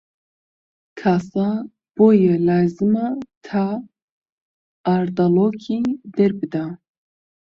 کاسە بۆیە لازمە تا ئاردەڵۆکی دەربدا